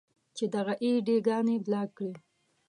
چې دغه اې ډي ګانې بلاک کړئ.